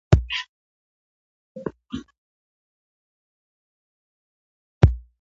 هو، له مخکې نه پلان جوړوم